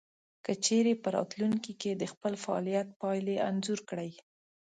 که چېرې په راتلونکې کې د خپل فعاليت پايلې انځور کړئ.